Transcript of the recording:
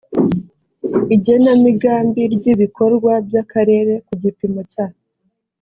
igenamigambi ry ibikorwa by akarere ku gipimo cya